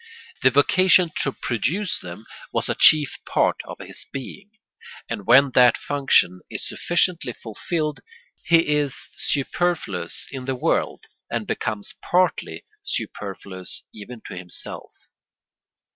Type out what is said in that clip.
The vocation to produce them was a chief part of his being, and when that function is sufficiently fulfilled he is superfluous in the world and becomes partly superfluous even to himself.